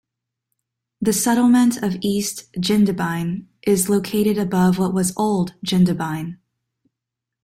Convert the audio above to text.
The settlement of East Jindabyne is located above what was Old Jindabyne.